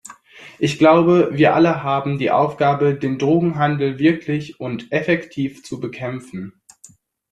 Ich glaube, wir alle haben die Aufgabe, den Drogenhandel wirklich und effektiv zu bekämpfen.